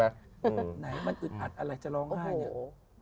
ไหนว่ามันอึดอัดอะไรจะร้องด้าอย่างนี้